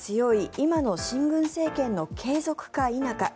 今の親軍政権の継続か否か。